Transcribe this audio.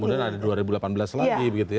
kemudian ada dua ribu delapan belas lagi begitu ya